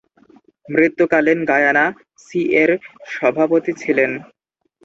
মৃত্যুকালীন Guyana সিএ’র সভাপতি ছিলেন।